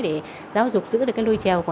để giáo dục giữ được cái lôi trèo của làng quốc